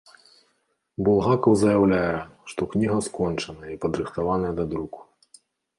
Булгакаў заяўляе, што кніга скончаная і падрыхтаваная да друку.